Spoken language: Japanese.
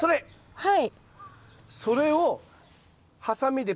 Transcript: はい。